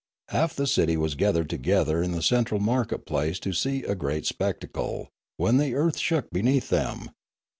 Half the city was gathered together in the central market place to see a great spectacle, when the earth shook beneath them.